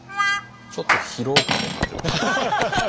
ちょっと疲労感を感じます。